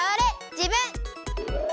じぶん！